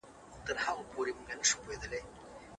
دیوالونو خپل ټول غږونه د شپې په توره کڅوړه کې پټ کړل.